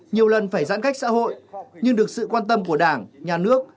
nhiều lần phải giãn cách xã hội nhưng được sự quan tâm của đảng nhà nước